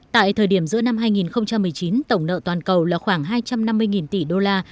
tại thời điểm giữa năm hai nghìn một mươi chín tổng nợ toàn cầu là khoảng hai trăm năm mươi tỷ đô la